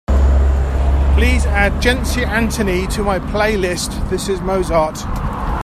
Please add Jency Anthony to my playlist This Is Mozart